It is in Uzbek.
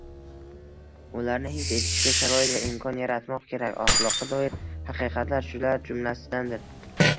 ularni his etishga sharoit va imkon yaratmoq kerak. Axloqqa doir haqiqatlar shular jumlasidandir.